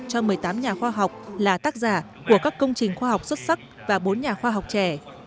cho một mươi tám nhà khoa học là tác giả của các công trình khoa học xuất sắc và bốn nhà khoa học trẻ